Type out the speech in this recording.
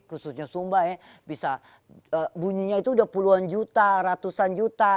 khususnya sumba ya bisa bunyinya itu udah puluhan juta ratusan juta